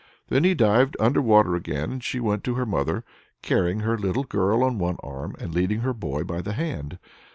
Then he dived under water again, and she went to her mother's, carrying her little girl on one arm, and leading her boy by the hand.